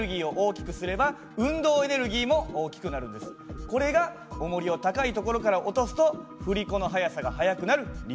つまり動き始めのこれがおもりを高いところから落とすと振り子の速さが速くなる理由なんですね。